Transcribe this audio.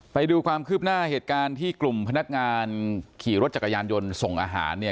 ไปดูความคืบหน้าเหตุการณ์ที่กลุ่มพนักงานขี่รถจักรยานยนต์ส่งอาหารเนี่ย